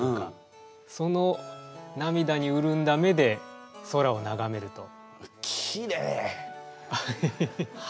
そのなみだにうるんだ目で空をながめると。